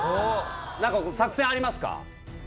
何か作戦ありますか？